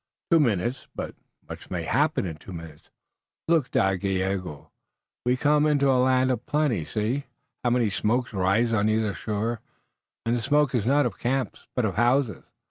"Two minutes, but much may happen in two minutes. Look, Dagaeoga, we come now into a land of plenty. See, how many smokes rise on either shore, and the smoke is not of camps, but of houses."